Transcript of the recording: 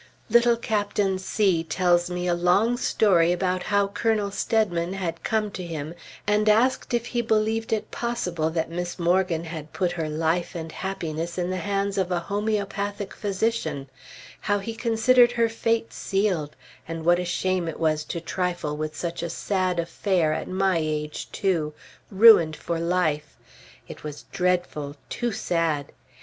Little Captain C tells me a long story about how Colonel Steadman had come to him and asked if he believed it possible that Miss Morgan had put her life and happiness in the hands of a homoeopathic physician; how he considered her fate sealed; and what a shame it was to trifle with such a sad affair, at my age, too, ruined for life! It was dreadful! Too sad!